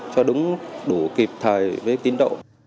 cho đúng đủ kịp thời với tín độ